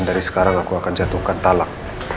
dan dari sekarang aku akan jatuhkan talak